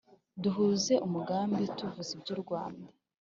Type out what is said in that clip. Duhuze umugambi tuvuge iby'u Rwanda